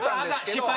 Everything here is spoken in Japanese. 失敗。